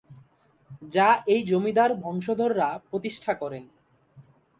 যা এই জমিদার বংশধররা প্রতিষ্ঠা করেন।